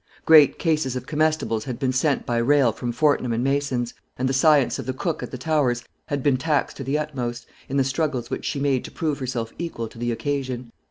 Great cases of comestibles had been sent by rail from Fortnum and Mason's; and the science of the cook at the Towers had been taxed to the utmost, in the struggles which she made to prove herself equal to the occasion.